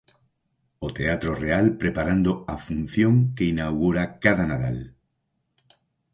O Teatro Real, preparando a función que inaugura cada Nadal.